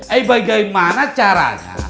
eh bagaimana caranya